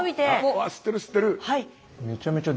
わあ吸ってる吸ってる。